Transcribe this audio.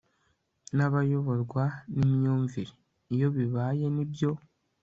n'abayoborwa n'imyumvire). iyo bibaye ni byo